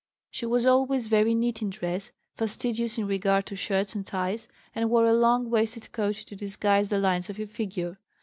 She was always very neat in dress, fastidious in regard to shirts and ties, and wore a long waisted coat to disguise the lines of her figure.